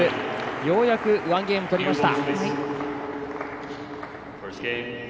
ようやく１ゲーム取りました。